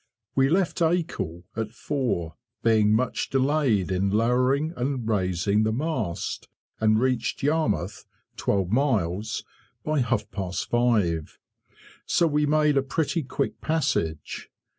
We left Acle at four, being much delayed in lowering and raising the mast, and reached Yarmouth (12 miles) by half past five; so we made a pretty quick passage.